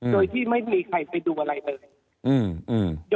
โดยที่ไม่มีใครไปดูอะไรเลย